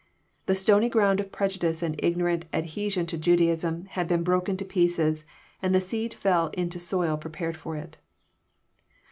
The stony ground of prejudice and ignorant adhe sion to Judaism had been broken to pieces, and the seed fell in to soil prepared for it.